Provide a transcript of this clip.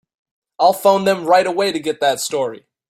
I'll phone them right away to get that story.